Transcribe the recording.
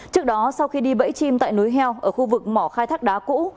trước đó sau khi đi bẫy chim tại núi heo ở khu vực mỏ khai thác đá cũ